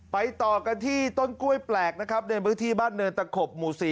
ต่อกันที่ต้นกล้วยแปลกนะครับในพื้นที่บ้านเนินตะขบหมู่๔